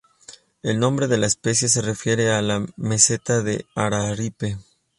El nombre de la especie se refiere a la meseta de Araripe.